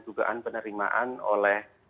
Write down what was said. dugaan penerimaan oleh